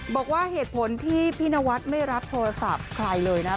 บอกว่าเหตุผลที่พี่นวัดไม่รับโทรศัพท์ใครเลยนะ